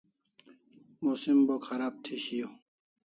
Musim bo kharab thi shiau